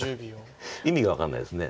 意味が分かんないですね。